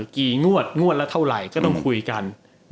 กรรมนี้ก็ต้องคุยกัน